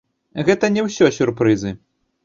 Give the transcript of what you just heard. Гэта не ўсё сюрпрызы!